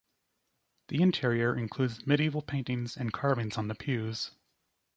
The interior includes medieval paintings and carvings on the pews.